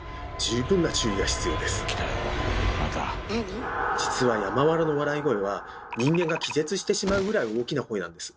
でも実は山童の笑い声は人間が気絶してしまうぐらい大きな声なんです。